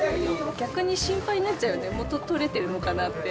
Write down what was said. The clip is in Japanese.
逆に心配になっちゃうよね、元取れてるのかなって。